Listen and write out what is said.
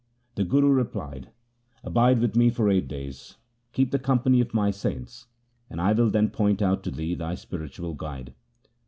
The Guru replied, ' Abide with me for eight days, keep the company of my saints, and I will then point out to thee thy spiritual guide.'